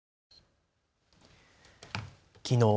きのう